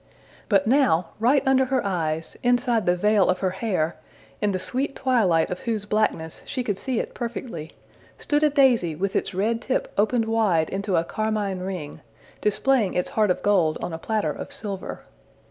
But now, right under her eyes, inside the veil of her hair, in the sweet twilight of whose blackness she could see it perfectly, stood a daisy with its red tip opened wide into a carmine ring, displaying its heart of gold on a platter of silver.